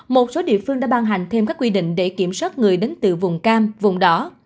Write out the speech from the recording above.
một số địa phương đã ban hành thêm các quy định để kiểm soát người đến từ vùng cam vùng đó